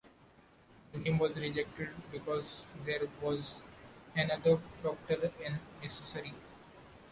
The name was rejected because there was another Procter in Missouri.